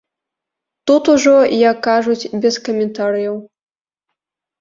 Тут ужо, як кажуць, без каментарыяў.